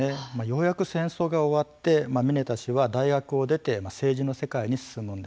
ようやく戦争が終わってミネタ氏は大学を出て政治の世界に進むんです。